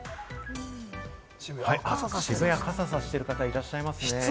渋谷、傘さしている人がいらっしゃいますね。